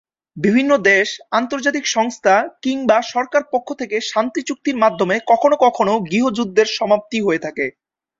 বিভিন্ন দেশ, আন্তর্জাতিক সংস্থা কিংবা সরকার পক্ষ থেকে শান্তি চুক্তির মাধ্যমে কখনো কখনো গৃহযুদ্ধের সমাপ্তি হয়ে থাকে।